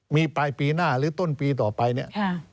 มีปลายปีหน้าหรือต้นปีต่อไปเนี่ย